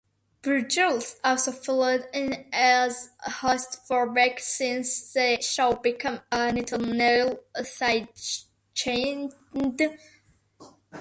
Burguiere also filled in as host for Beck since the show became nationally syndicated.